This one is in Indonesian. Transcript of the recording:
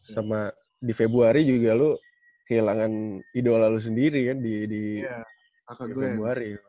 sama di februari juga lo kehilangan idola lu sendiri kan di februari